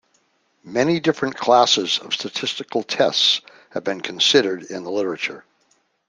Many different classes of statistical tests have been considered in the literature.